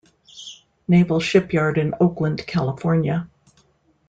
Naval Shipyard in Oakland, California.